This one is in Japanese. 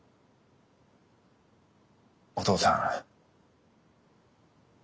お父さん。